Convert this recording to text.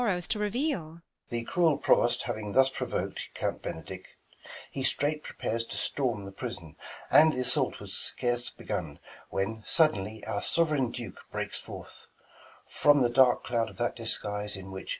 The cruel Provost having thus provok'd Count Benedick ; he straight prepares to storm The prison ; and, th' assault was scarce begun When, suddenly our sov'reign Duke breaks forth From the dark cloud of that disguise, in which.